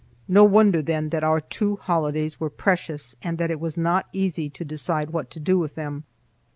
No wonder, then, that our two holidays were precious and that it was not easy to decide what to do with them.